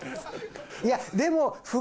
いやでも。